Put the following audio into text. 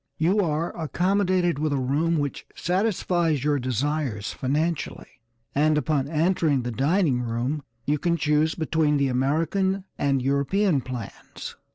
You are accommodated with a room which satisfies your desires financially; and upon entering the dining room you can choose between the American and European plans.